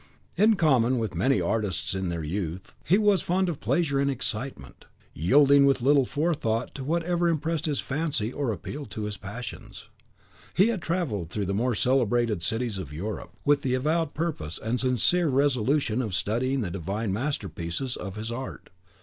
In common with many artists in their youth, he was fond of pleasure and excitement, yielding with little forethought to whatever impressed his fancy or appealed to his passions. He had travelled through the more celebrated cities of Europe, with the avowed purpose and sincere resolution of studying the divine masterpieces of his art.